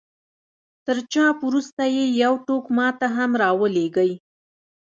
تر چاپ وروسته يې يو ټوک ما ته هم را ولېږئ.